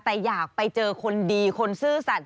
แต่อยากไปเจอคนดีคนซื่อสัตว